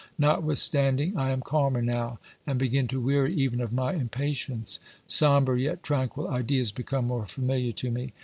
Notwithstanding, I am calmer now, and begin to weary even of my impatience. Sombre yet tranquil ideas become more familiar to me.